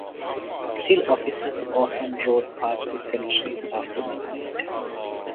Still, officers often rode past the sentries after midnight.